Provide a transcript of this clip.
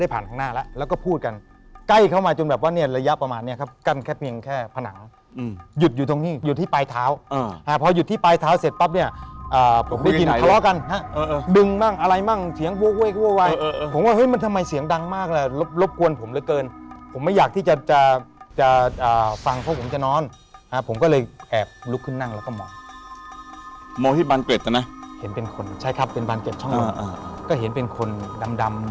ผมพึ่งขึ้นเป็นแท่นที่ท่านวางจับเลยฮะ